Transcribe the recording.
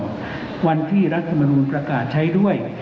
อยู่ก่อนวันที่รัฐมนุมประกาศใช้ด้วย